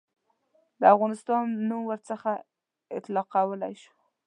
د افغانستان نوم نه ورڅخه اطلاقولای شو.